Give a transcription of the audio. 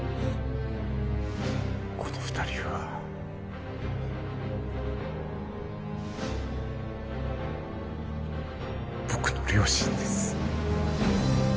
この二人は僕の両親です